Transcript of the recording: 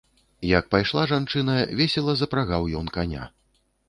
Як пайшла жанчына, весела запрагаў ён каня.